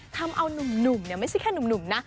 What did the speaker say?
ทำเอานุ่มไม่ใช่แค่หนุ่มนะ